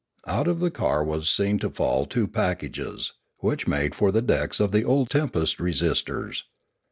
Out of the car was seen to fall two packages, which made for the decks of the old tempest resisters.